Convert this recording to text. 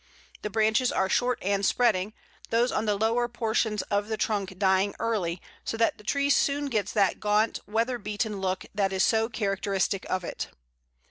The branches are short and spreading, those on the lower portions of the trunk dying early, so that the tree soon gets that gaunt weather beaten look that is so characteristic of it.